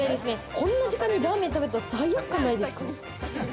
こんな時間にラーメン食べて罪悪感ないですか？